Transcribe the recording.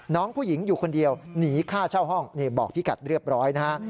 น้องผู้หญิงอยู่คนเดียวหนีค่าเช่าห้องนี่บอกพี่กัดเรียบร้อยนะฮะ